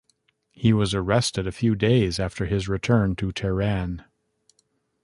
He was arrested a few days after his return to Tehran.